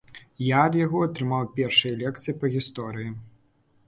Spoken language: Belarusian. Я ад яго атрымаў першыя лекцыі па гісторыі.